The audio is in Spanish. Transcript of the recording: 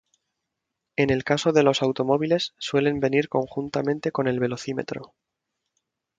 En el caso de los automóviles suelen venir conjuntamente con el velocímetro.